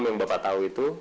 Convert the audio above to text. yang bapak tahu itu